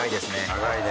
長いね。